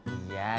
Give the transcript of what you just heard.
iya bang jahab